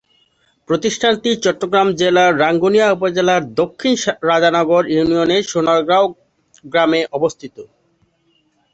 প্রতিষ্ঠানটি চট্টগ্রাম জেলার রাঙ্গুনিয়া উপজেলার দক্ষিণ রাজানগর ইউনিয়নের সোনারগাঁও গ্রামে অবস্থিত।